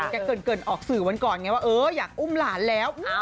แกเกินออกสื่อวันก่อนไงว่าเอออยากอุ้มหลานแล้ว